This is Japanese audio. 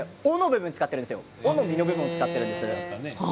尾の身の部分を使っているんですよ。